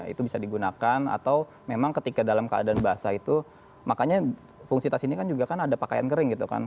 itu bisa digunakan atau memang ketika dalam keadaan basah itu makanya fungsi tas ini kan juga kan ada pakaian kering gitu kan